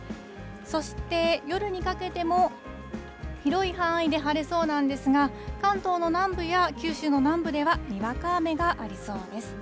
そして夜にかけても、広い範囲で晴れそうなんですが、関東の南部や九州の南部ではにわか雨がありそうです。